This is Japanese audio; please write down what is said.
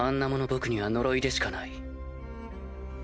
僕には呪いでしかない。